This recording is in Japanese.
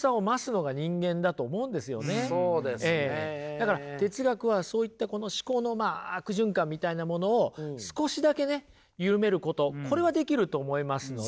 だから哲学はそういったこの思考のまあ悪循環みたいなものを少しだけね緩めることこれはできると思いますので。